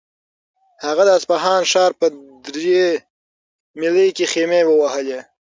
هغه د اصفهان ښار په درې میلۍ کې خیمې ووهلې.